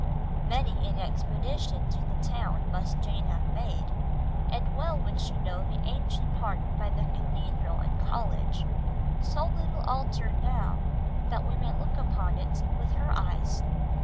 Many an expedition to the town must Jane have made, and well would she know the ancient part by the Cathedral and College, so little altered now that we may look upon it with her eyes.